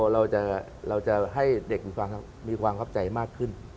เราจะให้เด็กมีความเข้าใจมากขึ้น